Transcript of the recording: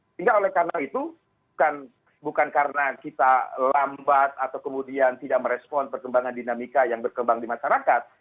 sehingga oleh karena itu bukan karena kita lambat atau kemudian tidak merespon perkembangan dinamika yang berkembang di masyarakat